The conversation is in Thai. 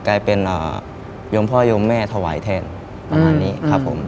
กลายเป็นยมพ่อโยมแม่ถวายแทนประมาณนี้ครับผม